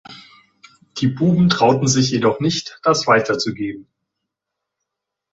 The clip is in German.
Die Buben trauten sich jedoch nicht, das weiterzugeben.